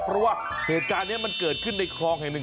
เพราะว่าเหตุการณ์นี้มันเกิดขึ้นในคลองแห่งหนึ่ง